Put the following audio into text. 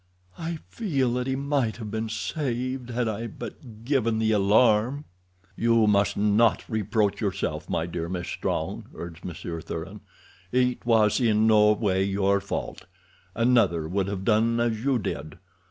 "I feel that he might have been saved had I but given the alarm." "You must not reproach yourself, my dear Miss Strong," urged Monsieur Thuran. "It was in no way your fault. Another would have done as you did.